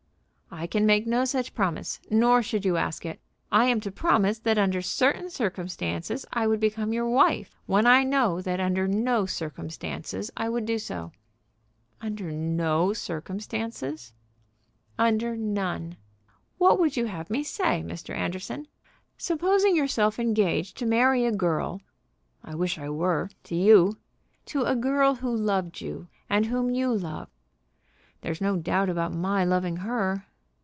"I can make no such promise, nor should you ask it. I am to promise that under certain circumstances I would become your wife, when I know that under no circumstances I would do so." "Under no circumstances?" "Under none. What would you have me say, Mr. Anderson? Supposing yourself engaged to marry a girl " "I wish I were to you." "To a girl who loved you, and whom you loved?" "There's no doubt about my loving her."